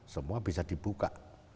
semua bisa dibuka